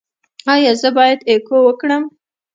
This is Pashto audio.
ایا زه باید اکو وکړم؟